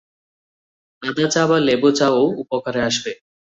আদা চা বা লেবু চা ও উপকারে আসবে।